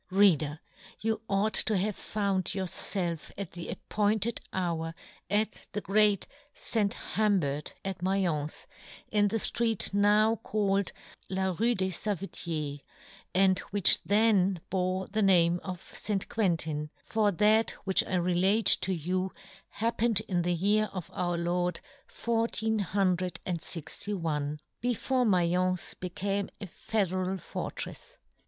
Reader, you ought to have found yourfelf at the appointed hour at the great St. Humbert at Maience, in the ftreet now called La Rue des Save tiers, and which then bore the name of St. Quentin, for that which I re late to you happened in the year of our Lord fourteen hundred and fixty one, before Ma'fence became a fe deral fortrefs.